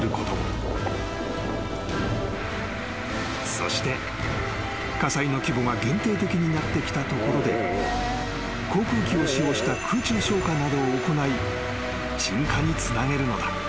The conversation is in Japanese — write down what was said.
［そして火災の規模が限定的になってきたところで航空機を使用した空中消火などを行い鎮火につなげるのだ］